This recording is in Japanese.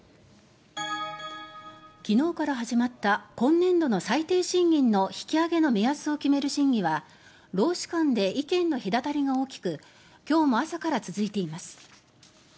昨日から始まった今年度の最低賃金の引き上げの目安を決める審議は労使間で意見の隔たりが大きく今日も朝から続いています。